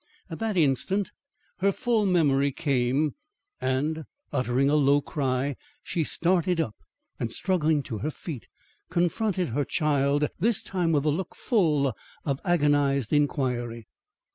At that instant her full memory came, and, uttering a low cry, she started up, and struggling to her feet, confronted her child, this time with a look full of agonised inquiry.